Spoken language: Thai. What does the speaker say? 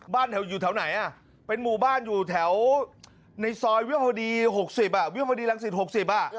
บ้านอยู่แถวไหนเป็นหมู่บ้านอยู่แถวในซอยวิวโภดีลังศิษฐ์๖๐อ่ะ